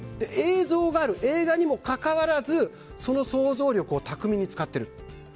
映像がある映画にもかかわらずその想像力を巧みに使っている。